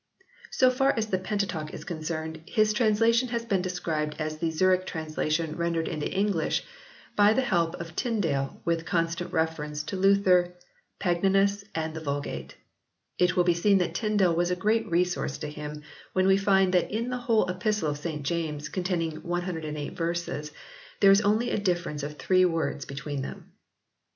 So far as the Penta teuch is concerned, his translation has been described as the Zurich translation rendered into English by the help of Tyndale with constant reference to Luther, Pagninus and the Vulgate. It will be seen that Tyndale was a great resource to him when we find that in the whole Epistle of St James containing 108 verses, there is only a difference of three words between them.